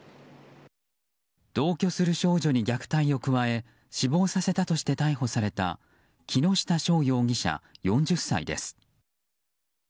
同居する少女に虐待を加え死亡させたとして逮捕された木下匠容疑者、４０歳です。